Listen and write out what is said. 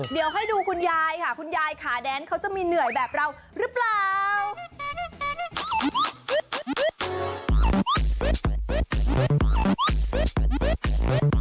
เดี๋ยวให้ดูคุณยายค่ะคุณยายขาแดนเขาจะมีเหนื่อยแบบเราหรือเปล่า